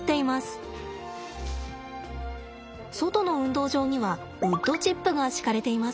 外の運動場にはウッドチップが敷かれています。